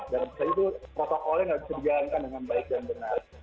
dan misalnya itu protokolnya nggak bisa dijalankan dengan baik dan benar